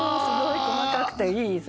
すごい細かくていい！